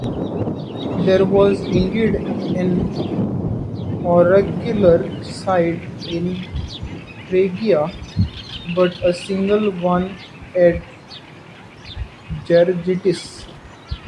There was indeed an oracular site in Phrygia, but a single one, at Gergitis.